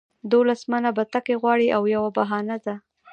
دولس منه بتکۍ غواړي دا یوه بهانه ده.